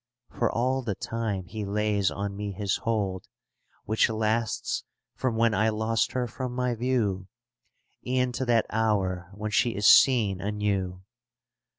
For all the time he lays on me his hold. Which lasts from when I lost her from my view, E'en to that hour when she is seen anew.